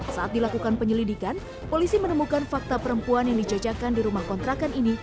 saat dilakukan penyelidikan polisi menemukan fakta perempuan yang dijajakan di rumah kontrakan ini